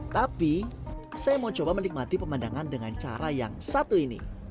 tapi saya mau coba menikmati pemandangan dengan cara yang satu ini